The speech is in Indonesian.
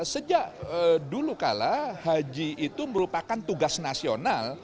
sejak dulu kala haji itu merupakan tugas nasional